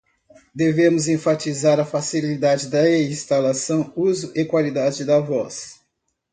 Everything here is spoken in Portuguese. Devemos enfatizar a facilidade de instalação, uso e qualidade da voz.